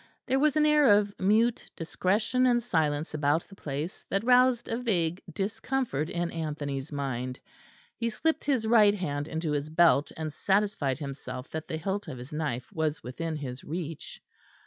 There was an air of mute discretion and silence about the place that roused a vague discomfort in Anthony's mind; he slipped his right hand into his belt and satisfied himself that the hilt of his knife was within reach.